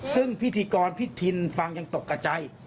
ซึ่งพิธีกรพิธินฟังยังตกกับใจ